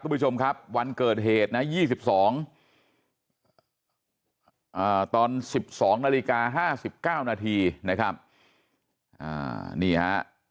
คุณผู้ชมครับวันเกิดเหตุนะ๒๒ตอน๑๒นาฬิกา๕๙นาทีนะครับนี่ฮะ